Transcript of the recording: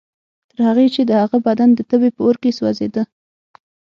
تر هغې چې د هغه بدن د تبې په اور کې سوځېده.